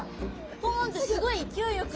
ポンってすごい勢いよく。